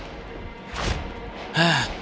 hah hah syukurlah